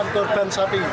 delapan kurban sapi